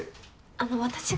あの私が。